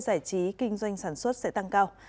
giải trí kinh doanh sản xuất sẽ tăng cao